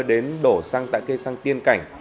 đến đổ xăng tại cây xăng tiên cảnh